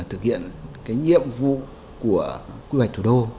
thực hiện cái nhiệm vụ của quy hoạch thủ đô